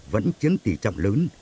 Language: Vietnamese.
vẫn chiến tỷ trọng lớn